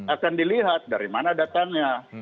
akan dilihat dari mana datangnya